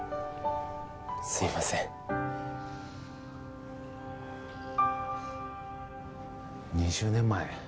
すいません２０年前？